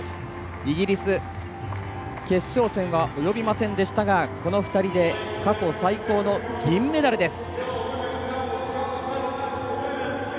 イギリス決勝戦は及びませんでしたがこの２人で過去最高の銀メダルです。